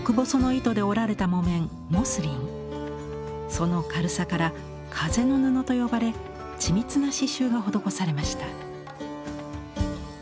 その軽さから「風の布」と呼ばれ緻密な刺繍が施されました。